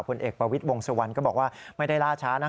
ผลเอกประวิทย์วงสุวรรณก็บอกว่าไม่ได้ล่าช้านะ